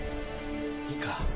いいか？